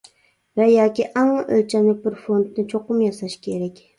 ۋە ياكى ئەڭ ئۆلچەملىك بىر فونتنى چوقۇم ياساش كېرەك.